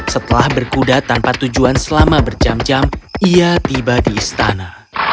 setelah berkuda tanpa tujuan selama berjam jam ia tiba di istana